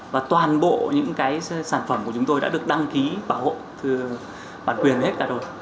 và toàn bộ những cái sản phẩm của chúng tôi đã được đăng ký bảo hộ bản quyền hết cả rồi